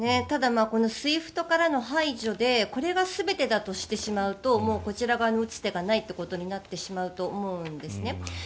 ただ、ＳＷＩＦＴからの排除でこれが全てだとしてしまうとこちら側に打つ手がないということになってしまうと思うんです。